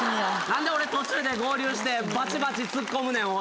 何で俺途中で合流してばちばちツッコむねん。